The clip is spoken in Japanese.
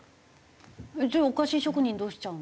じゃあお菓子職人どうしちゃうの？